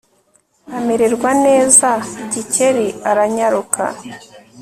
amererwa neza Gikeli aranyaruka